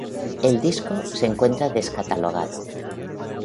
El disco se encuentra descatalogado.